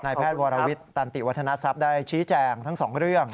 แพทย์วรวิทย์ตันติวัฒนทรัพย์ได้ชี้แจงทั้งสองเรื่อง